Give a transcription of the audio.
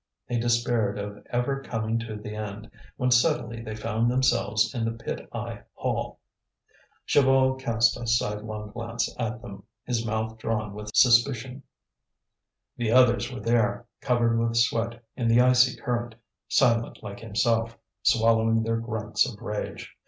He despaired of ever coming to the end, when suddenly they found themselves in the pit eye hall. Chaval cast a sidelong glance at them, his mouth drawn with suspicion. The others were there, covered with sweat in the icy current, silent like himself, swallowing their grunts of rage.